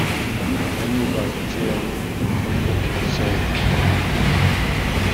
Ad nuɣal d lǧiran nekk d Ḥemmu n At Sɛid.